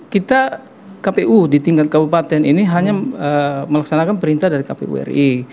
kita kpu di tingkat kabupaten ini hanya melaksanakan perintah dari kpu ri